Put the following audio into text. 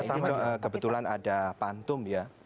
ini kebetulan ada pantum ya